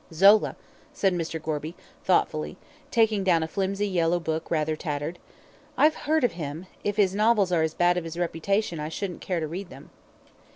"Zola," said Mr. Gorby, thoughtfully, taking down a flimsy yellow book rather tattered. "I've heard of him; if his novels are as bad as his reputation I shouldn't care to read them."